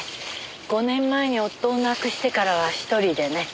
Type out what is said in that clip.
５年前に夫を亡くしてからは一人でね。